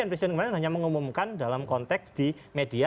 dan presiden kemarin hanya mengumumkan dalam konteks di media